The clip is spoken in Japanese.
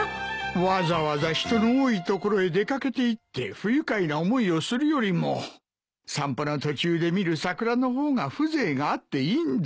わざわざ人の多い所へ出掛けていって不愉快な思いをするよりも散歩の途中で見る桜の方が風情があっていいんだ。